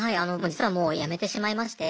実はもう辞めてしまいまして。